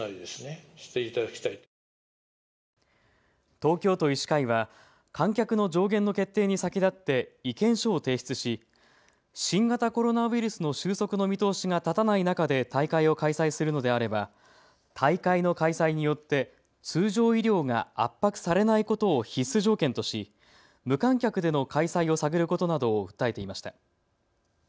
東京都医師会は観客の上限の決定に先立って意見書を提出し新型コロナウイルスの収束の見通しが立たない中で大会を開催するのであれば大会の開催によって通常医療が圧迫されないことを必須条件とし、無観客での開催を探ることなどを訴えていました。